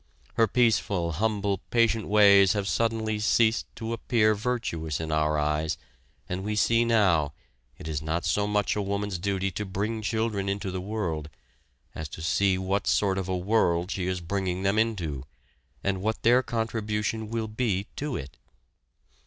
Her peaceful, humble, patient ways have suddenly ceased to appear virtuous in our eyes and we see now, it is not so much a woman's duty to bring children into the world, as to see what sort of a world she is bringing them into, and what their contribution will be to it.